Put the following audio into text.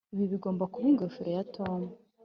ibi bigomba kuba ingofero ya tom.